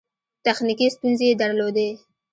تخنیکي ستونزې یې درلودې.